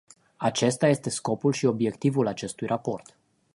Acesta este scopul și obiectivul acestui raport.